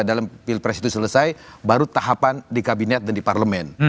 dalam pilpres itu selesai baru tahapan di kabinet dan di parlemen